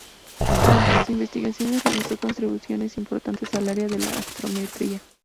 Durante sus investigaciones, realizó contribuciones importantes al área de la astrometría.